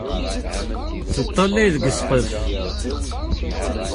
Teṭṭalay deg ssqef.